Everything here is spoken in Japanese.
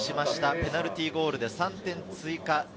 ペナルティーゴールで３点追加。